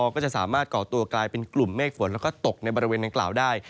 ก็จะสามารถก่อตัวกลายเป็นกลุ่มเมฆฝนแล้วก็ตกในบริเวณดังกล่าวได้